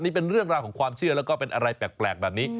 นี่เป็นเรื่องราวของความเชื่อแล้วก็เป็นอะไรแปลกแบบนี้